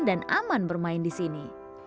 dan aman bermain di sini